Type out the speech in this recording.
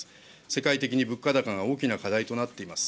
世界的に物価高が大きな課題となっています。